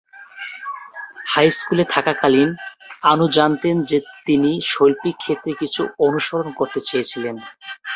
High স্কুলে থাকাকালীন, আনু জানতেন যে তিনি শৈল্পিক ক্ষেত্রে কিছু অনুসরণ করতে চেয়েছিলেন।